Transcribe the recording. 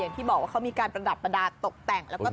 อย่างที่บอกว่ามีการประดับประดาษตกแต่ง